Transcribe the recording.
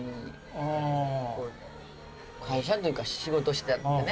会社というか仕事してたのでね。